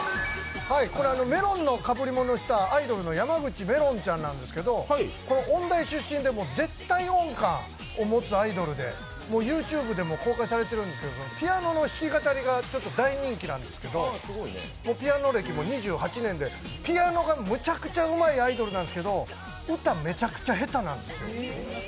メロンのかぶりものをしたアイドルの山口めろんちゃんなんですけど音大出身で絶対音感を持つアイドルでＹｏｕＴｕｂｅでも公開されてるんですけどピアノの弾き語りが大人気なんですけど、ピアノ歴も２８年でピアノがむちゃくちゃうまいアイドルなんですけど歌めちゃくちゃ下手なんですよ。